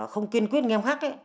không kiên quyết nghiêm khắc